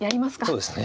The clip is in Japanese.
そうですね。